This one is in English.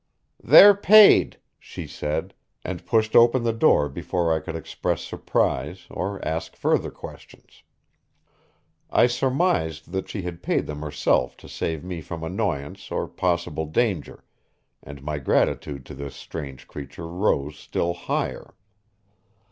"They're paid," she said, and pushed open the door before I could express surprise or ask further questions. I surmised that she had paid them herself to save me from annoyance or possible danger, and my gratitude to this strange creature rose still higher.